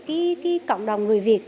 cái cộng đồng người việt